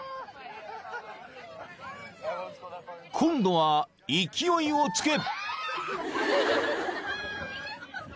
［今度は勢いをつけ］